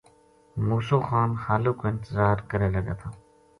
مُوسو خان خالق کو انتظار کرے لگا تھا